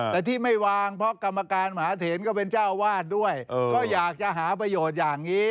แต่ที่ไม่วางเพราะกรรมการมหาเถนก็เป็นเจ้าวาดด้วยก็อยากจะหาประโยชน์อย่างนี้